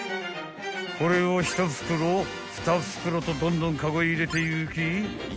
［これを１袋２袋とどんどんカゴへ入れていき］